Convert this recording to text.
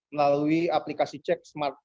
melalui aplikasi cek smartphone